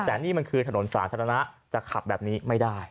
แต่นี่มันคือถนนสาธารณะจะขับแบบนี้ไม่ได้